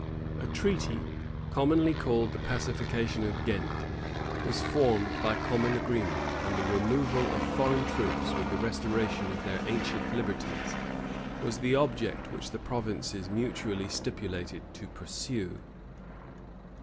A treaty, commonly called the Pacification of Ghent, was formed by common agreement; and the removal of foreign troops, with the restoration of their ancient liberties, was the object which the provinces mutually stipulated to pursue.